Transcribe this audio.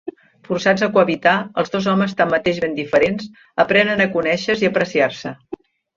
Forçats a cohabitar, els dos homes, tanmateix ben diferents, aprenen a conèixer-se i a apreciar-se.